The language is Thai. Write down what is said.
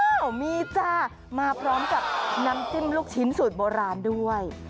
มีจ้ามาพร้อมกับน้ำจิ้มลูกชิ้นสูตรโบราณด้วย